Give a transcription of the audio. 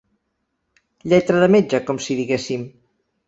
Lletra de metge, com si diguéssim.